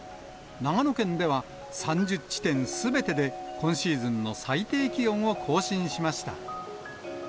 長野県では、３０地点すべてで今シーズンの最低気温を更新しました。